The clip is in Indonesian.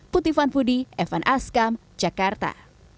puti fanfudi evan askam jakarta